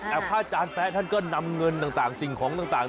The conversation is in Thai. แต่พระอาจารย์แป๊ะท่านก็นำเงินต่างสิ่งของต่าง